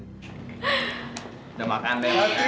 udah makan ayah